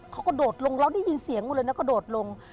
เขาก็โดดลงเราได้ยินเสียงกันเลยแล้วก็โดดลง